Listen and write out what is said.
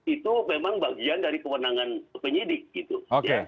itu memang bagian dari kewenangan penyidik gitu